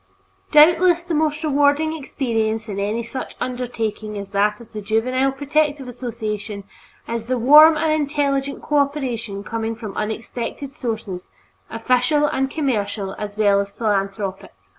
Doubtless the most rewarding experience in any such undertaking as that of the Juvenile Protective Association is the warm and intelligent cooperation coming from unexpected sources official and commercial as well as philanthropic.